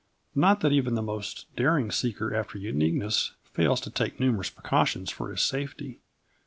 Not that even the most daring seeker after uniqueness fails to take numerous precautions for his safety.